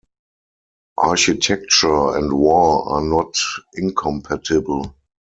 Architecture and war are not incompatible.